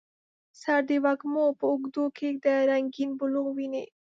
سر د وږمو په اوږو ږدي رنګیین بلوغ ویني